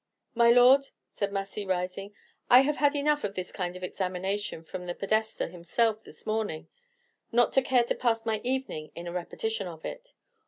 "My Lord," said Massy, rising, "I have had enough of this kind of examination from the Podestà himself this morning, not to care to pass my evening in a repetition of it.